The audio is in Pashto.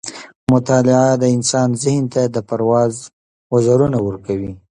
مطالعه د انسان ذهن ته د پرواز وزرونه ورکوي.